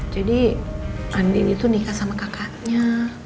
jadi andi itu nikah sama kakaknya